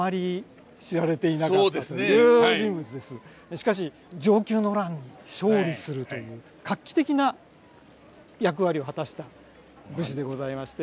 しかし承久の乱で勝利するという画期的な役割を果たした武士でございまして。